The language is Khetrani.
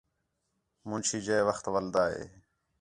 منشی جئے وخت وَلدا ہِے